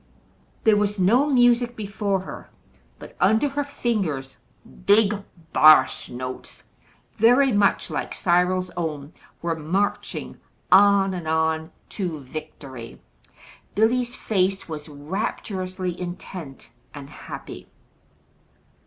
There was no music before her, but under her fingers "big bass notes" very much like Cyril's own, were marching on and on to victory. Billy's face was rapturously intent and happy.